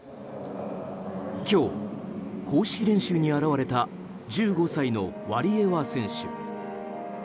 今日、公式練習に現れた１５歳のワリエワ選手。